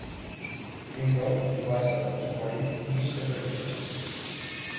Figl va ser escollit vicepresident.